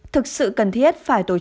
thực sự cần thiết phải tổ chức